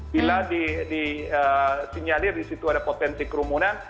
bila disinyalir di situ ada potensi kerumunan